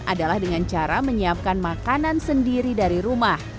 adalah dengan cara menyiapkan makanan sendiri dari rumah